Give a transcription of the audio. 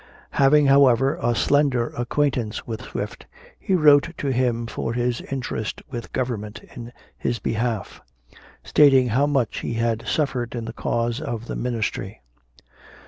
Having, however, a slender acquaintance with Swift, he wrote to him for his interest with government in his behalf, stating how much he had suffered in the cause of the ministry.